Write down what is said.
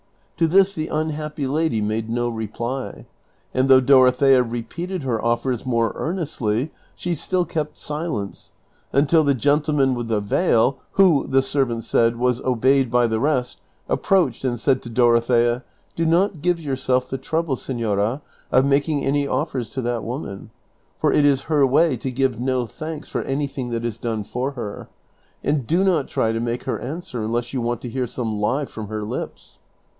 To this the unhappy lady made no reply ; and though ])oro thea repeated her offers more earnestly she still kept silence, until the gentleman with the veil, who, the servant said, was obeyed by the rest, approached and said to Dorothea, " Do not give yourself the trouble, senora, of making any otters to that woman, for it is her way to give no thanks for anything that is done for her ; and do not try to make her answer unless you want to hear some lie from her lips."